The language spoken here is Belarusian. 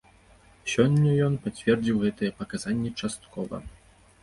Сёння ён пацвердзіў гэтыя паказанні часткова.